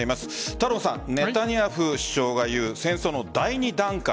太郎さん、ネタニヤフ首相が言う戦争の第２段階。